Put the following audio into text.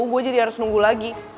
gue jadi harus nunggu lagi